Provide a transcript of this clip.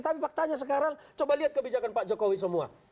tapi faktanya sekarang coba lihat kebijakan pak jokowi semua